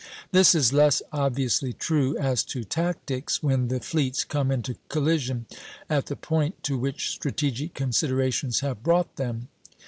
This is less obviously true as to tactics, when the fleets come into collision at the point to which strategic considerations have brought them.